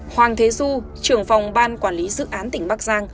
hoàng thế du trưởng phòng ban quản lý dự án đầu tư